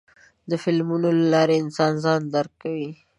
د فلمونو له لارې انسان ځان درکوي.